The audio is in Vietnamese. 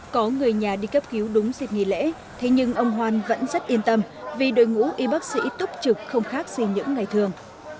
có người nhà đi cấp cứu đúng dịp nghỉ lễ thế nhưng ông hoan vẫn rất yên tâm vì đội ngũ y bác sĩ túc trực không khác gì những ngày thường